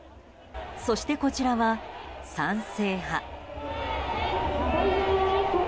そして、こちらは賛成派。